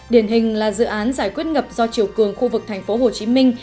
điển hình là dự án giải quyết ngập do chiều cường khu vực thành phố hồ chí minh